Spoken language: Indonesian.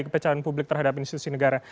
kepecahan publik terhadap institusi negara